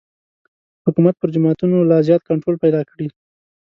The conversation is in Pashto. حکومت پر جوماتونو لا زیات کنټرول پیدا کړي.